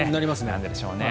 なんででしょうね。